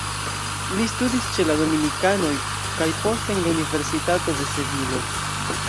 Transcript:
Li studis ĉe la dominikanoj kaj poste en la Universitato de Sevilo.